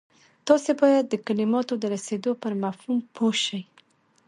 تاسې بايد د کلماتو د رسېدو پر مفهوم پوه شئ.